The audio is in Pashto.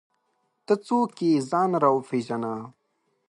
ته څوک یې ځان راوپېژنه!